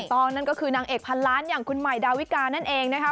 ถูกต้องนั่นก็คือนางเอกพันล้านอย่างคุณหมายดาวิกานั่นเองนะครับ